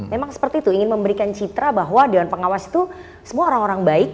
memang seperti itu ingin memberikan citra bahwa dewan pengawas itu semua orang orang baik